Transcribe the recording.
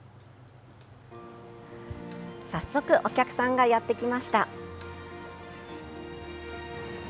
早速お客さんがやってきました。